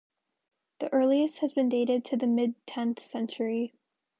The earliest has been dated to the mid-tenth century.